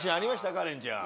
カレンちゃん。